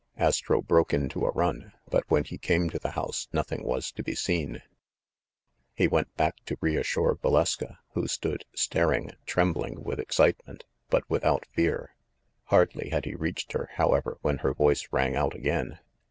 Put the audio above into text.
Astro broke into a run; but when he came to the house nothing was to be seen. He went back to reassure Valeska, who stood, star 76 THE MASTER OF MYSTERIES ing, trembling with excitement, but without fear. Hardly had he reached her, however, when her voice rang out again.